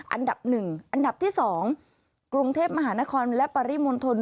อันดับหนึ่งอันดับที่สองกรุงเทพมหานครและปริมนธน